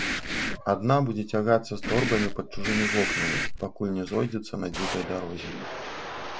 Адна будзе цягацца з торбамі пад чужымі вокнамі, пакуль не зойдзецца на дзікай дарозе.